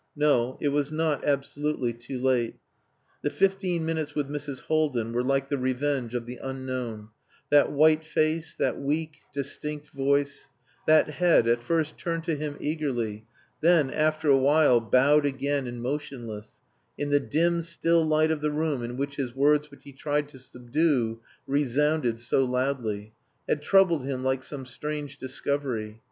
No; it was not absolutely too late. The fifteen minutes with Mrs. Haldin were like the revenge of the unknown: that white face, that weak, distinct voice; that head, at first turned to him eagerly, then, after a while, bowed again and motionless in the dim, still light of the room in which his words which he tried to subdue resounded so loudly had troubled him like some strange discovery.